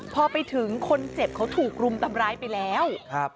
พอไปถึงคนเจ็บเขาถูกรุมทำร้ายไปแล้ว